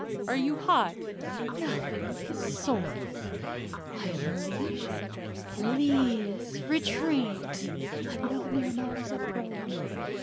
"Are you hot?" "Nothing of the sort. I am Elysian. Please retreat. Let no mere mortals approach.